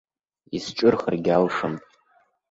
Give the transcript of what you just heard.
Исҿырхыргьы алшон.